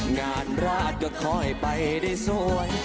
งานราชก็ค่อยไปได้สวย